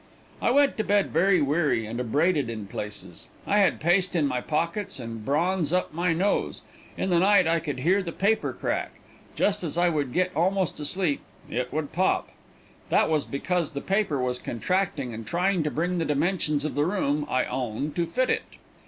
I went to bed very weary, and abraded in places. I had paste in my pockets, and bronze up my nose. In the night I could hear the paper crack. Just as I would get almost to sleep, it would pop. That was because the paper was contracting and trying to bring the dimensions of the room I own to fit it.